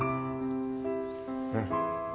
うん。